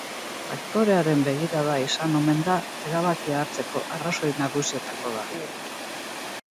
Aktorearen begirada izan omen da erabakia hartzeko arrazoi nagusietako da.